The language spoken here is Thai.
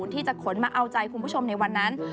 ที่จะขนมาเอาใจคุณผู้ชมในวันนั้น